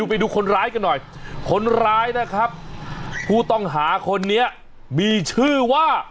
ไปดูคนร้ายกันหน่อยคนร้ายนะครับผู้ต้องหาคนนี้มีชื่อว่า